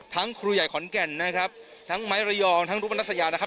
ครูใหญ่ขอนแก่นนะครับทั้งไม้ระยองทั้งรุปนัสยานะครับ